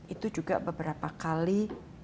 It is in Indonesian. itu juga beberapa kali